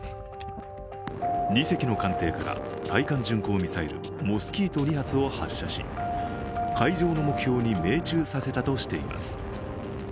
２隻の艦艇から対艦巡航ミサイル、モスキート２発を発射し、海上の目標に命中させたとしています。